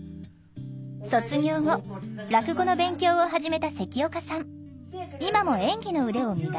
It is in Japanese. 卒業後落語の勉強を始めた関岡さん。